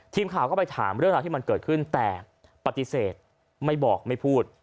ทีมข่าวก็ไปถามเรื่องราวที่มันเกิดขึ้นแต่ปฏิเสธไม่บอกไม่พูด